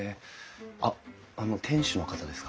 あっあの店主の方ですか？